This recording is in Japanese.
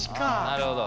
なるほど。